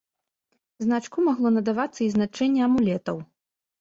Значку магло надавацца і значэнне амулетаў.